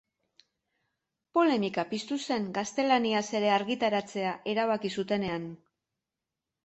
Polemika piztu zen gaztelaniaz ere argitaratzea erabaki zutenean.